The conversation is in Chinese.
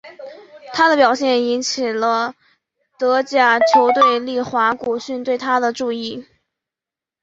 他的表现引起了德甲球队利华古逊对他的注意。